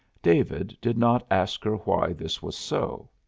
David did not ask her why this was so.